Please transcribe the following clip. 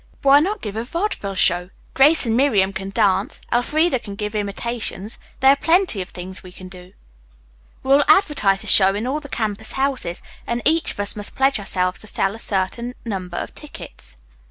Why not give a vaudeville show? Grace and Miriam can dance. Elfreda can give imitations. There are plenty of things we can do. We will advertise the show in all the campus houses, and each one of us must pledge ourselves to sell a certain number of tickets.